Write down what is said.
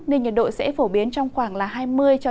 nên nhiệt độ sẽ phổ biến trong khoảng hai mươi hai mươi ba độ